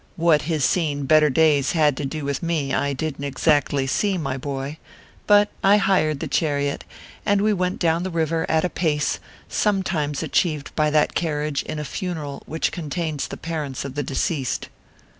What his seeing better days had to do with me I didn t ex actly see, my boy ; but I hired the chariot, and we went down the river at a pace sometimes achieved by that carriage in a funeral which contains the parents of the deceased.